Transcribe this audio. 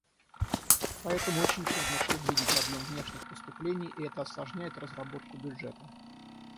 Поэтому очень трудно предвидеть объем внешних поступлений, и это осложняет разработку бюджета.